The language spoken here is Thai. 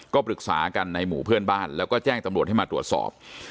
ก็ปรึกษากันในหมู่เพื่อนบ้านแล้วก็แจ้งตำรวจให้มาตรวจสอบ